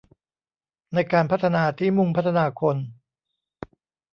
ในการพัฒนาที่มุ่งพัฒนาคน